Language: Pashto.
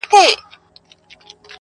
زه درته دعا سهار ماښام كوم.